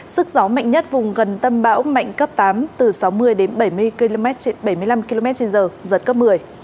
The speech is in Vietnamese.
sức gió mạnh nhất vùng gần tâm bão mạnh cấp tám từ sáu mươi đến bảy mươi năm km trên giờ giật cấp một mươi